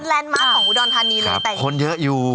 ของอุดรธานีเลยคนเยอะอยู่